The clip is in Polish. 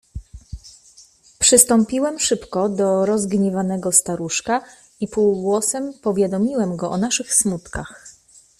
"Przystąpiłem szybko do rozgniewanego staruszka i półgłosem powiadomiłem go o naszych smutkach."